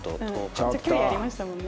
めっちゃ距離ありましたもんね。